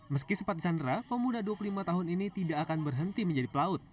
meski sempat disandra pemuda dua puluh lima tahun ini tidak akan berhenti menjadi pelaut